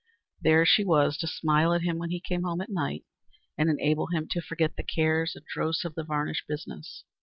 There she was to smile at him when he came home at night and enable him to forget the cares and dross of the varnish business.